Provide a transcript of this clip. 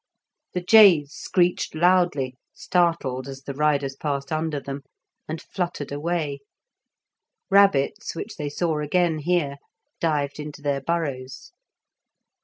The jays screeched loudly, startled as the riders passed under them, and fluttered away; rabbits, which they saw again here, dived into their burrows.